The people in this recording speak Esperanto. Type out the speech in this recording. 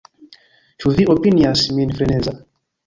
Ĉu vi opinias min freneza?